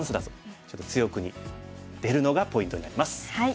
ちょっと強く出るのがポイントになります。